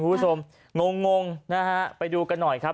ฮู้สมงงงงนะฮะไปดูกันหน่อยครับ